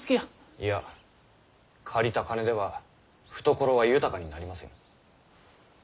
いや借りた金では懐は豊かになりません。